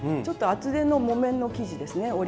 ちょっと厚手の木綿の生地ですね